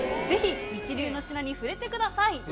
ぜひ一流の品に触れてください。